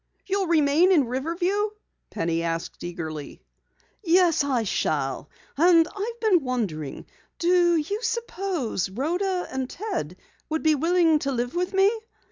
"You'll remain in Riverview?" Penny asked eagerly. "Yes, I shall, and I've been wondering do you suppose Rhoda and Ted would be willing to live with me?